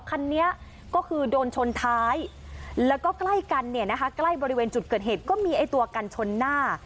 คันนี้ก็คือโดนชนท้ายแล้วก็ใกล้กันเนี่ยนะคะใกล้บริเวณจุดเกิดเหตุก็มีไอ้ตัวกันชนหน้า